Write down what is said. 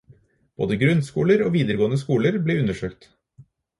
Både grunnskoler og videregående skoler ble undersøkt.